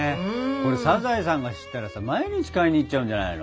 これサザエさんが知ったらさ毎日買いに行っちゃうんじゃないの？